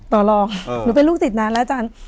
ต่อรองหนูเป็นลูกศิษย์นานแล้วอาจารย์